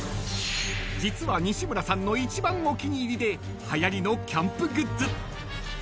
［実は西村さんの一番お気に入りではやりのキャンプグッズ］